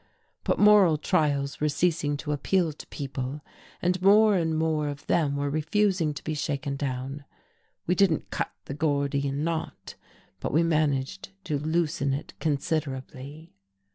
But moral trials were ceasing to appeal to people, and more and more of them were refusing to be shaken down. We didn't cut the Gordian knot, but we managed to loosen it considerably.